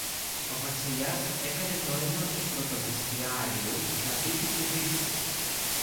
Ο Βασιλιάς έκανε νόημα του πρωτοβεστιάριου να πει τις ειδήσεις.